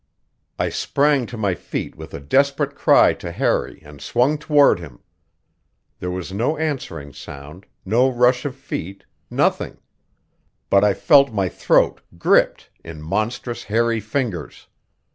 I sprang to my feet with a desperate cry to Harry and swung toward him. There was no answering sound, no rush of feet, nothing; but I felt my throat gripped in monstrous, hairy fingers.